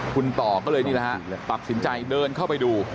คุณต่อก็เลยนี่นะครับปรับสินใจเดินเข้าไปดู